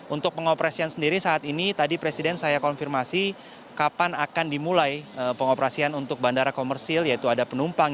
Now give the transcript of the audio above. untuk pengoperasian sendiri saat ini tadi presiden saya konfirmasi kapan akan dimulai pengoperasian untuk bandara komersil yaitu ada penumpang